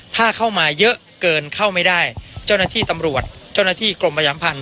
ถ้าเข้ามาเยอะเกินเข้าไม่ได้เจ้าหน้าที่ตำรวจเจ้าหน้าที่กรมประชาัมพันธ